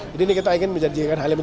jadi ini kita ingin menjanjikan halim